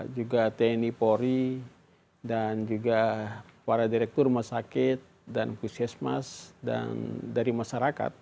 juga tni polri dan juga para direktur rumah sakit dan puskesmas dan dari masyarakat